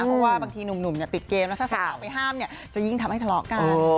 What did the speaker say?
เพราะว่าบางทีหนุ่มติดเกมแล้วถ้าสาวไปห้ามเนี่ยจะยิ่งทำให้ทะเลาะกัน